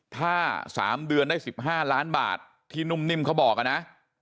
ถ้า๓เดือนได้๑๕ล้านบาทที่นุ่มนิ่มเขาบอกนะ